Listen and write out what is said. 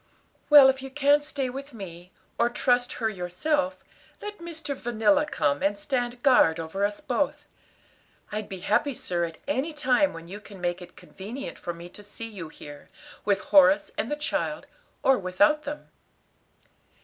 "Well, if you can't stay with me, or trust her yourself, let Mr. Vanilla come and stand guard over us both. I'd be happy, sir, at any time when you can make it convenient for me to see you here, with Horace and the child, or without them."